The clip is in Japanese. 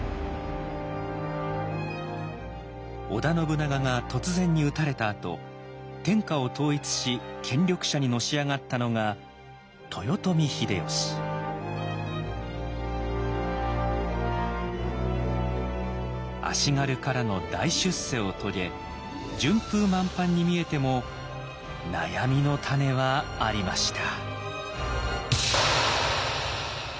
織田信長が突然に討たれたあと天下を統一し権力者にのし上がったのが足軽からの大出世を遂げ順風満帆に見えても悩みのタネはありました。